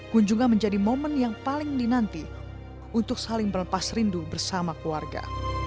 kunjungan menjadi momen yang paling dinanti untuk saling berlepas rindu bersama keluarga